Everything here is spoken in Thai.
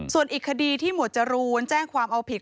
ส่วนอีกคดีที่หมวดจรูนแจ้งความเอาผิด